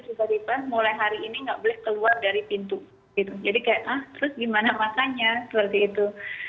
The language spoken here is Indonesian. jadi tiba tiba mulai hari ini gak boleh keluar dari pintu gitu jadi kayak ah terus gimana makannya seperti itu